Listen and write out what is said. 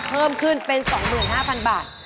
เพิ่มขึ้นเป็น๒๕๐๐๐บาท